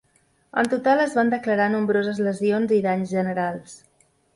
En total, es van declarar nombroses lesions i danys generals.